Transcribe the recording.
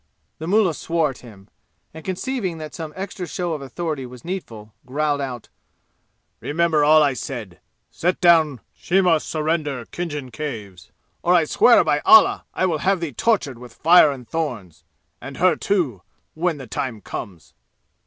The mullah swore at him, and conceiving that some extra show of authority was needful, growled out: "Remember all I said. Set down she must surrender Khinjan Caves or I swear by Allah I will have thee tortured with fire and thorns and her, too, when the time comes!"